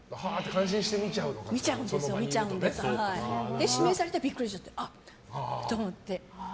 で、指名されてビックリされてあ！って思って。